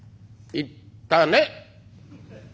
「行ったね」。